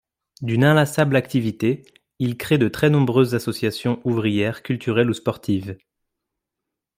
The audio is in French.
D'une inlassable activité, il crée de très nombreuses associations ouvrières culturelles ou sportives.